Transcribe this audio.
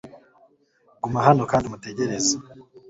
guma hano kandi umutegereze